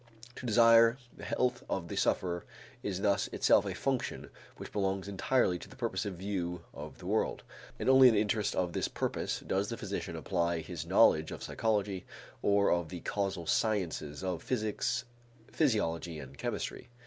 To desire the health of the sufferer is thus itself a function which belongs entirely to the purposive view of the world, and only in the interest of this purpose does the physician apply his knowledge of psychology or of the causal sciences of physics, physiology, and chemistry.